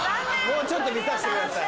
もうちょっと見さしてください。